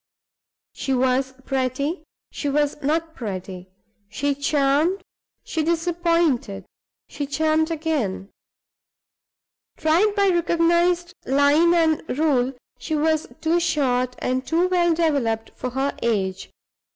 She was pretty; she was not pretty; she charmed, she disappointed, she charmed again. Tried by recognized line and rule, she was too short and too well developed for her age.